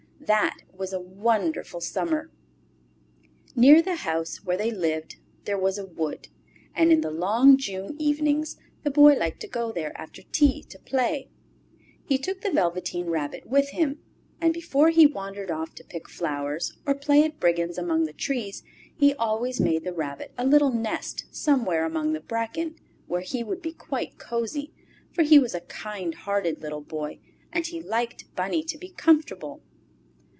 That was a wonderful Summer! Near the house where they lived there was a wood, and in the long June evenings the Boy liked to go there after tea to play. He took the Velveteen Rabbit with him, and before he wandered off to pick flowers, or play at brigands among the trees, he always made the Rabbit a little nest somewhere among the bracken, where he would be quite cosy, for he was a kind hearted little boy and he liked Bunny to be comfortable.